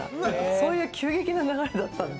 そういう急激な流れだったんで。